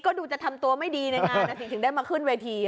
ก็ดูจะทำตัวไม่ดีในงานนะสิถึงได้มาขึ้นเวที